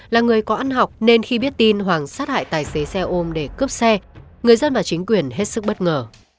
là người có ăn học nên khi biết tin hoàng sát hại tài xế xe ôm để cướp xe người dân và chính quyền hết sức bất ngờ